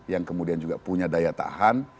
yang kemudian juga punya daya tahan